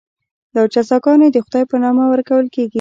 دا جزاګانې د خدای په نامه ورکول کېږي.